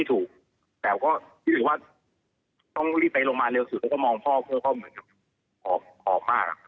ต้องรีบไปโรงพยาบาลเร็วสุดเขาก็มองพ่อเพื่อก็เหมือนกับหอบมาก